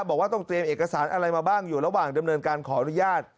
บอกว่าต้องเตรียมเอกสารอะไรมาบ้างอยู่ระหว่างดำเนินการขออนุญาต